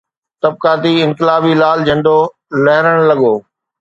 طبقاتي انقلابي لال جھنڊو لھرڻ لڳو